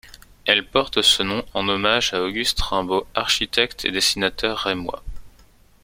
Elle porte ce nom en hommage à Auguste Reimbeau, architecte et dessinateur rémois.